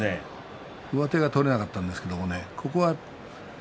上手が取れなかったんですけどね。